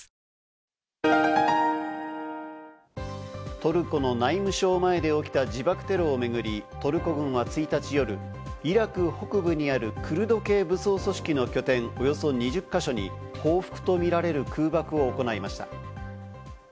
トルコの内務省前で起きた自爆テロを巡り、トルコ軍は１日夜、イラク北部にあるクルド系武装組織の拠点、およそ２０か所に報復とみられる空爆を行いました。